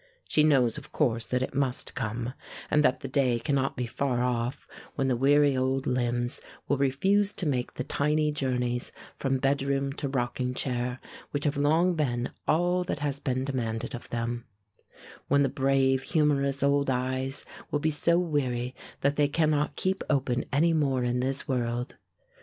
She knows, of course, that it must come, and that the day cannot be far off when the weary old limbs will refuse to make the tiny journeys from bedroom to rocking chair, which have long been all that has been demanded of them; when the brave, humorous old eyes will be so weary that they cannot keep open any more in this world.